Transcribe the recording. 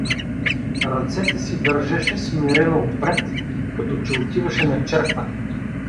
Ръцете си държеше смирено отпред, като че отиваше на черква.